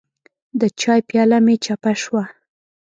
د چای پیاله مې چپه شوه.